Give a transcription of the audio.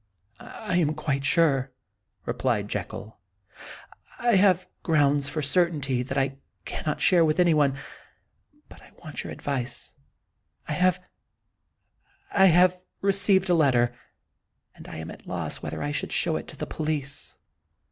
" I am quite sure," replied Jekyll ;" I have grounds for certainty that I cannot share with any one. But I want your advice. I have ŌĆö I have received a letter, and I am at a loss whether I should show it to the police.